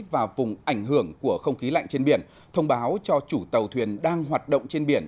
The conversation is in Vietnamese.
và vùng ảnh hưởng của không khí lạnh trên biển thông báo cho chủ tàu thuyền đang hoạt động trên biển